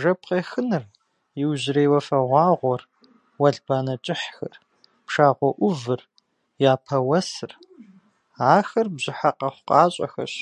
Жэп къехыныр, иужьрей уафэгъуагъуэр, уэлбанэ кӏыхьхэр, пшагъуэ ӏувыр, япэ уэсыр – ахэр бжьыхьэ къэхъукъащӏэхэщ.